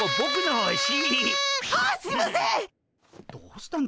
どうしたんだ？